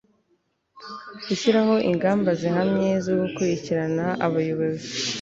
gushyiraho ingamba zihamye zo gukurikirana abayobozi